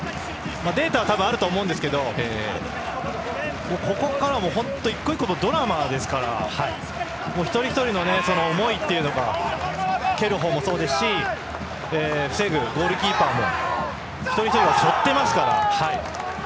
データはあると思いますけどここからは１個１個ドラマですから一人ひとりの思いというのと蹴る方もそうですし防ぐゴールキーパーも一人一人が背負っていますから。